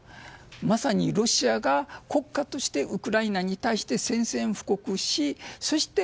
まさにロシアが国家としてウクライナに対して宣戦布告しそして、